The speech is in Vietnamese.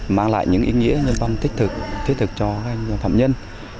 mang lại những ý nghĩa nhân văn thiết thực cho các phạm nhân